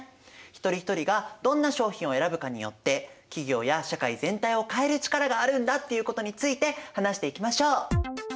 一人一人がどんな商品を選ぶかによって企業や社会全体を変える力があるんだっていうことについて話していきましょう。